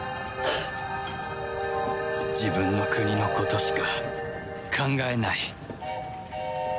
自分の国のことしか考えない。